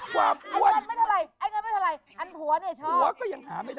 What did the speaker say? ความอ้วน